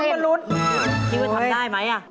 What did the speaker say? คิดว่าทำได้ไหม